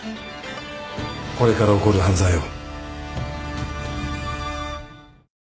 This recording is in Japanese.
これから起こる犯罪を。